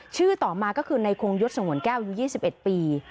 ชื่อต่อมาก็คือในคงยศสงวนแก้วอายุ๒๑ปี